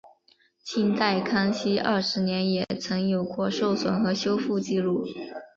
清代康熙二十年也曾有过受损和修复纪录。